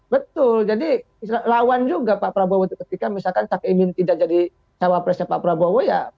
betul jadi lawan juga pak prabowo ketika misalkan cak imin tidak jadi cawapresnya pak prabowo ya